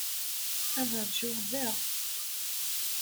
Ad ṛjuɣ da.